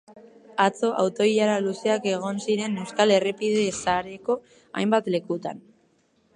Atzo auto-ilara luzeak egon ziren euskal errepide sareko hainbat lekutan.